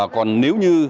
còn nếu như